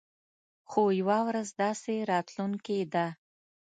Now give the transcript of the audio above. خو يوه ورځ داسې راتلونکې ده.